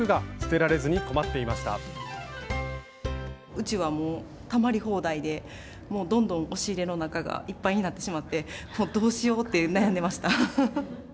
うちはもうたまり放題でもうどんどん押し入れの中がいっぱいになってしまってもうどうしようって悩んでました。